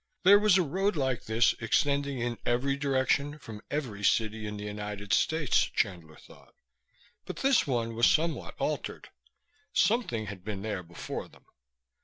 There was a road like this extending in every direction from every city in the United States, Chandler thought; but this one was somewhat altered. Something had been there before them.